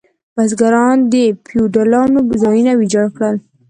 بزګرانو د فیوډالانو ځایونه ویجاړ کړل.